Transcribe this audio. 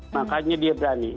makanya dia berani